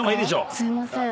すいません。